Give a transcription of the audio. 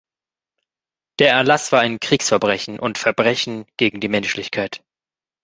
Der Erlass war ein Kriegsverbrechen und Verbrechen gegen die Menschlichkeit.